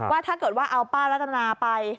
ว่าถ้าเกิดว่าเอาป้ารัตนาไป